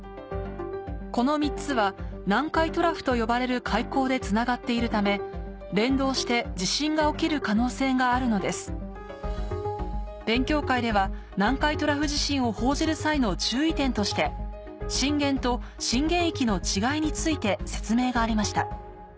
この３つは南海トラフと呼ばれる海溝でつながっているためがあるのです勉強会では南海トラフ地震を報じる際の注意点として震源と震源域の違いについて説明がありました